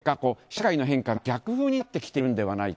その結果、社会の変化が逆風になってきているんではないか。